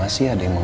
masih akan terus